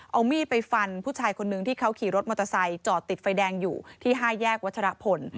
เอามีดไปฟันผู้ชายคนนึงที่เขาขี่รถมอเตอร์ไซค์จอดติดไฟแดงอยู่ที่๕แยกวัชรพล